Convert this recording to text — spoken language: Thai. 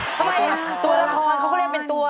ทำไมตัวละครเขาก็เล่นเป็นตัว